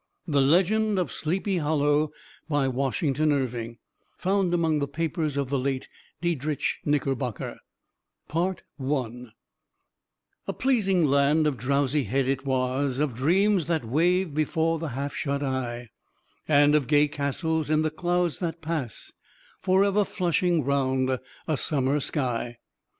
THE LEGEND OF SLEEPY HOLLOW By WASHINGTON IRVING (FOUND AMONG THE PAPERS OF THE LATE DIEDRICH KNICKERBOCKER) "A pleasing land of drowsy head it was, Of dreams that wave before the half shut eye; And of gay castles in the clouds that pass, Forever flushing round a summer sky."